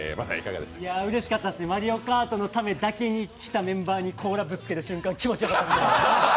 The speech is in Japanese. うれしかったですね「マリオカート」のためだけに来たメンバーに甲羅ぶつける瞬間、気持ちよかったですね。